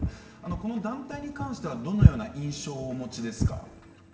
この団体に関してはどのような印象をお持ちですか？